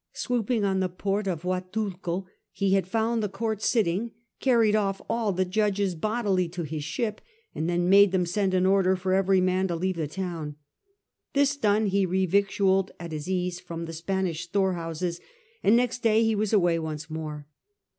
Swooping on the port of Guatulco, he had found the court sitting, carried off all the judges bodily to his ship, and then made them send an order for every man to leave the town. This done, he revictualled at his ease from the Spanish storehouses, and next day he was away once more.